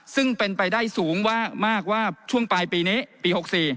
ซึ่งเป็นไปได้สูงมากว่าช่วงปลายปีนี้ปี๖๔